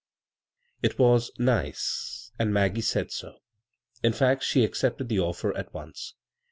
It was "nice," and Maggie said so. In fact, she accepted the offer at once.